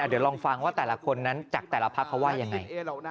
เดี๋ยวลองฟังว่าแต่ละคนนั้นจากแต่ละพักเขาว่ายังไง